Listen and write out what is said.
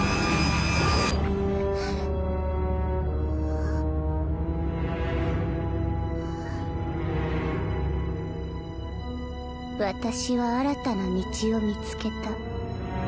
あっ私は新たな道を見つけた。